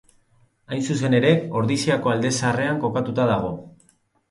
Hain zuzen ere, Ordiziako Alde Zaharrean kokatua dago.